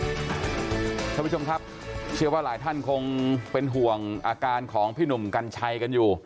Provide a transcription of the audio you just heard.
คุณผู้ชมครับเชื่อว่าหลายท่านคงเป็นห่วงอาการของพี่หนุ่มกัญชัยกันอยู่